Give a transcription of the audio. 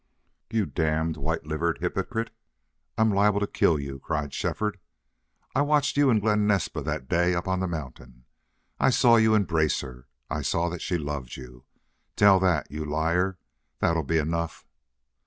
"You damned, white livered hypocrite I'm liable to kill you!" cried Shefford. "I watched you and Glen Naspa that day up on the mountain. I saw you embrace her. I saw that she loved you. Tell THAT, you liar! That'll be enough."